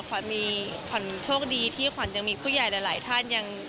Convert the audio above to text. ขวัญโชคดีที่ขวัญยังมีผู้ใหญ่ในหลายท่าน